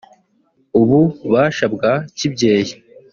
ububasha bwa kibyeyi